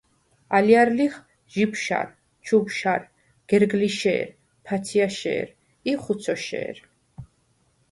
ალჲარ ლიხ: ჟიბშარ, ჩუბშარ, გერგლიშე̄რ, ფაცჲაჲშე̄რ ი ხუცოშე̄რ.